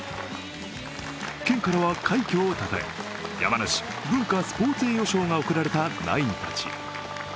県からは快挙をたたえ、山梨文化・スポーツ栄誉賞を贈られたナインたち。